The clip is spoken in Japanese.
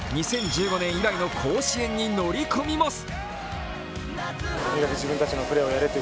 ２０１５年ぶりの甲子園に乗り込みます。